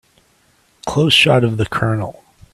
Close shot of the COLONEL.